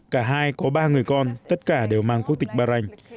cả hai có ba người con tất cả đều mang quốc tịch ba ranh